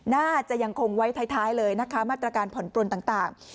น่าจะยังคงไว้ท้ายเลยนะคะมาตรการผ่อนปลนต่าง